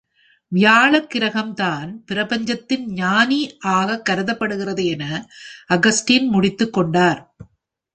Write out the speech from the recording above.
வியாழன் கிரகம் தான் பிரபஞ்சத்தின் "ஞானி" ஆகக் கருதப்படுகிறது என அகஸ்டின் முடித்துக் கொண்டார்.